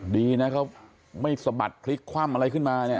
ดีนะเขาไม่สะบัดพลิกคว่ำอะไรขึ้นมาเนี่ย